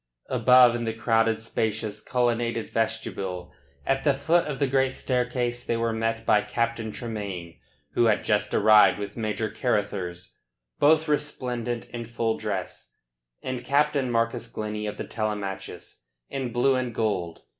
Above in the crowded, spacious, colonnaded vestibule at the foot of the great staircase they were met by Captain Tremayne, who had just arrived with Major Carruthers, both resplendent in full dress, and Captain Marcus Glennie of the Telemachus in blue and gold.